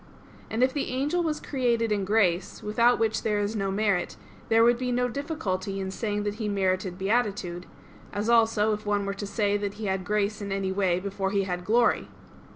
And if the angel was created in grace, without which there is no merit, there would be no difficulty in saying that he merited beatitude: as also, if one were to say that he had grace in any way before he had glory.